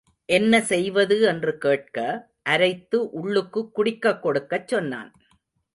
என்ன செய்வது என்று கேட்க, அரைத்து உள்ளுக்கு குடிக்க கொடுக்கச் சொன்னான்.